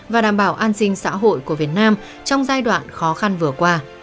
và đảm bảo an sinh xã hội của việt nam trong giai đoạn khó khăn vừa qua